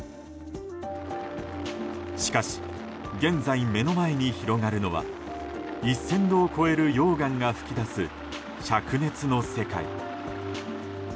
しかし、現在目の前に広がるのは１０００度を超える溶岩が噴き出す灼熱の世界。